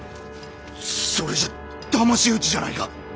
それじゃだまし討ちじゃないか。